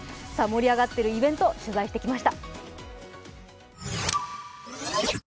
盛り上がっているイベント取材してきました。